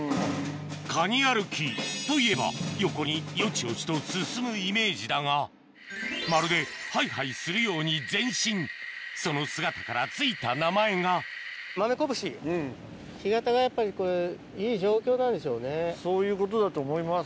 カニ歩きといえば横によちよちと進むイメージだがまるではいはいするようにその姿から付いた名前がそういうことだと思います。